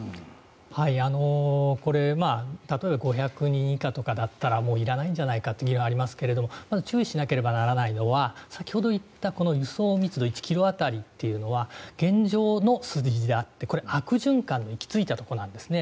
これ、例えば５００人以下とかだったらもういらないんじゃないかという議論がありますが注意しなければならないのは先ほど言ったこの輸送密度１ｋｍ当たりというのは現状の数字であってこれ、悪循環の行き着いたところなんですね。